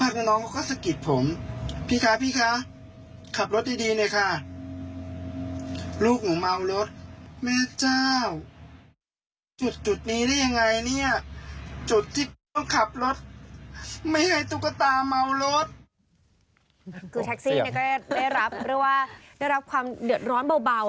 คือแท็กซี่ก็ได้รับหรือว่าได้รับความเดือดร้อนเบา